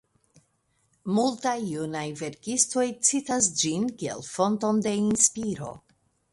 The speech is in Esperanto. Multaj junaj verkistoj citas ĝin kiel fonton de inspiro.